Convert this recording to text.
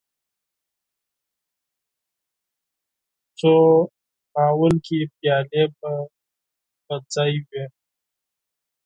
څو ناولې پيالې په ځای وې.